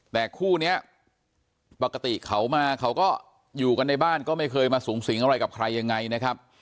แต่คู่นี้ปกติเขามาเขาก็อยู่กันในบ้านก็ไม่เคยมาสูงสิงอะไรกับใครยังไงนะครับ